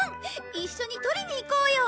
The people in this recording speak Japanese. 一緒にとりに行こうよ！